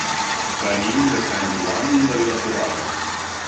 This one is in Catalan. Venim de Sant Joan de Vilatorrada.